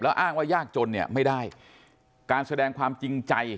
อ้างว่ายากจนเนี่ยไม่ได้การแสดงความจริงใจ